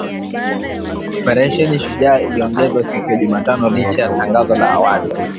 Operesheni Shujaa iliongezwa siku ya Jumatano licha ya tangazo la awali